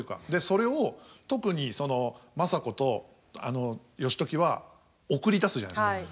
それを特に政子と義時は送り出すじゃないですか。